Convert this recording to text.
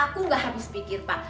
aku gak habis pikir pak